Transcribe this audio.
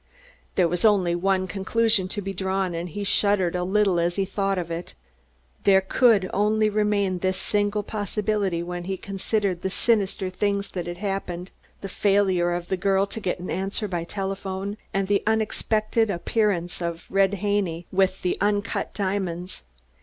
There was only one conclusion to be drawn, and he shuddered a little when he thought of it. There could only remain this single possibility when he considered the sinister things that had happened the failure of the girl to get an answer by telephone, and the unexpected appearance of Red Haney with the uncut diamonds.